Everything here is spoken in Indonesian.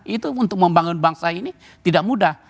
itu untuk membangun bangsa ini tidak mudah